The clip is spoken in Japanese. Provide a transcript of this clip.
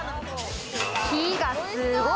火がすごい。